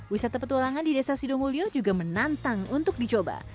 wisata petualangan di desa sidomulyo juga menantang untuk dicoba